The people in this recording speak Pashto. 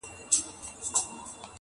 یو ګیدړ وو ډېر چالاکه په ځغستا وو -